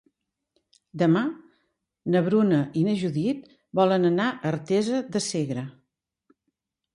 Demà na Bruna i na Judit volen anar a Artesa de Segre.